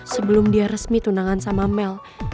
sebelum dia resmi tunangan sama mel